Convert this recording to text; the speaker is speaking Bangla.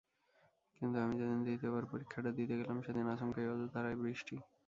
কিন্তু আমি যেদিন দ্বিতীয়বার পরীক্ষাটা দিতে গেলাম সেদিন আচমকাই অঝোরধারায় বৃষ্টি।